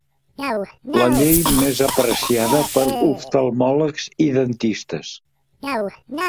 La llei més apreciada per oftalmòlegs i dentistes.